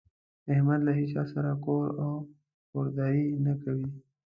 احمد له هيچا سره کور او کورداري نه کوي.